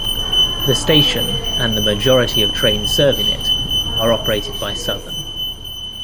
The station and the majority of trains serving it are operated by Southern.